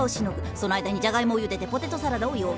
その間にジャガイモをゆでてポテトサラダを用意。